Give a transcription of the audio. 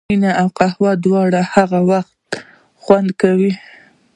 مینه او قهوه دواړه هغه وخت خوند کوي.